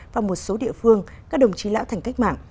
và một số địa phương các đồng chí lão thành cách mạng